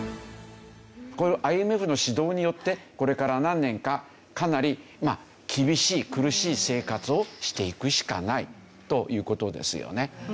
こういうＩＭＦの指導によってこれから何年かかなり厳しい苦しい生活をしていくしかないという事ですよね。